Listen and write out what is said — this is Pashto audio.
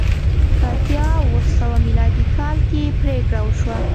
په اتیا اوه سوه میلادي کال کې پرېکړه وشوه